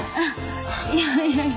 いやいやいや。